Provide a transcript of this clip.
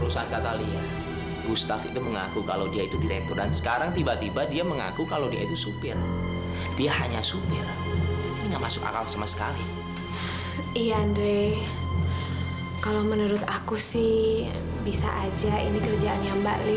sampai jumpa di video selanjutnya